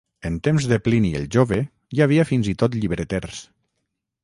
En temps de Plini el jove hi havia fins i tot llibreters.